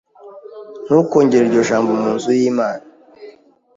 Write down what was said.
Ntukongere iryo jambo mu nzu y'Imana.